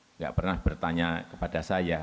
tidak pernah bertanya kepada saya